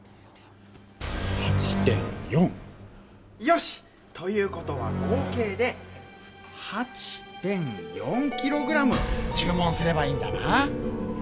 ８．４！よし！ということは合計で８．４ｋｇちゅう文すればいいんだな。